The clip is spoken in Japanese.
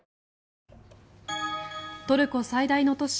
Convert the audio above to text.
トルコ最大の都市